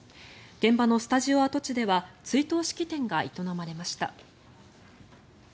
現場のスタジオ跡地ではスタジオ跡地が営まれました。